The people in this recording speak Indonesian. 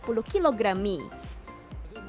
tim liputan cnn indonesia